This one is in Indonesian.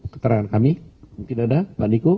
keterangan kami mungkin ada mbak niko